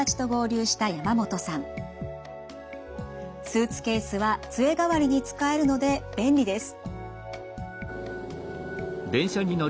スーツケースは杖代わりに使えるので便利です。